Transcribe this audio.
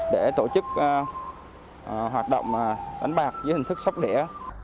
để tổ chức hoạt động đánh bạc dưới hình thức sóc đĩa